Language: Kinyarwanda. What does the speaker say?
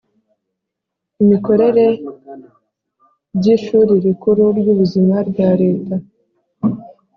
imikorere by Ishuri Rikuru ry Ubuzima rya leta